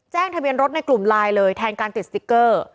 ทะเบียนรถในกลุ่มไลน์เลยแทนการติดสติ๊กเกอร์